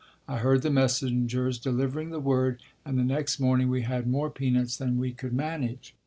I heard the messengers delivering the word and the next morning we had more peanuts than we could manage.